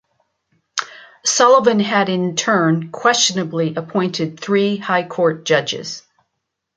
Sullivan had in turn questionably appointed three High Court judges.